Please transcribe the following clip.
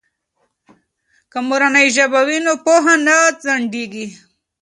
که مورنۍ ژبه وي نو پوهه نه ځنډیږي.